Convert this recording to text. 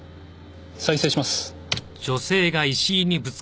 再生します。